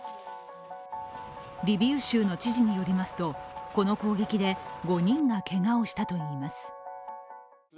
リビウ州の知事によりますと、この攻撃で５人がけがをしたといいます。